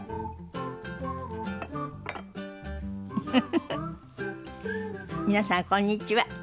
フフフフ皆さんこんにちは。